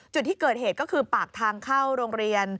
จุดที่เกิดเหตุก็คือปากทางเข้าโรงเรียน